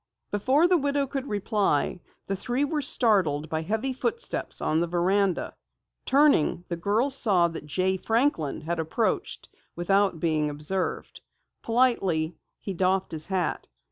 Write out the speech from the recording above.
Before the widow could reply, the three were startled by heavy footsteps on the veranda. Turning, the girls saw that Jay Franklin had approached without being observed. Politely, he doffed his hat.